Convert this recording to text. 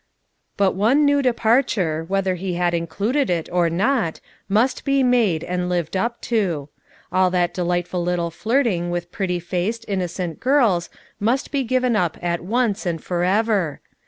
But one new depar ture, whether he had included it, or not, must be made, and lived up to. All that delightful little flirting with pretty faced, innocent girls must be given up at once and forever.